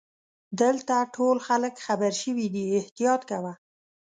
دلته ټول خلګ خبرشوي دي احتیاط کوه.